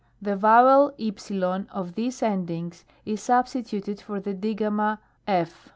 The vowel u of these endings is substituted for the Digamma (/^).